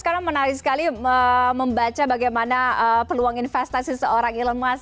karena menarik sekali membaca bagaimana peluang investasi seorang elon musk